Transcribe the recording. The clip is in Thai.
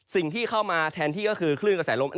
สิ่งที่เข้ามาแทนที่ก็คือคลื่นกระแสลม